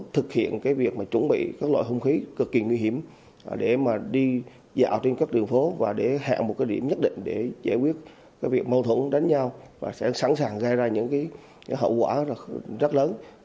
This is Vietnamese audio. thực hiện việc chuẩn bị các loại hung khí cực kỳ nguy hiểm để đi dạo trên các đường phố và để hẹn một điểm nhất định để giải quyết việc mâu thuẫn đánh nhau và sẽ sẵn sàng gây ra những hậu quả rất lớn